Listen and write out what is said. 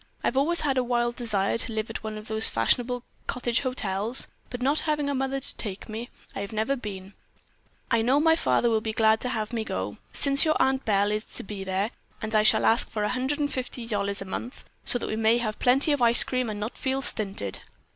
I've always had a wild desire to live at one of those fashionable cottage hotels, but not having a mother to take me, I have never been. I know my father will be glad to have me go, since your Aunt Belle is to be there, and I shall ask for $150 a month, so that we may have plenty of ice cream and not feel stinted."